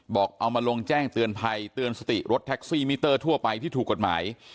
บอกเอามาลงแจ้งเตือนภัยเตือนสติรถแท็กซี่มิเตอร์ทั่วไปที่ถูกกฎหมาย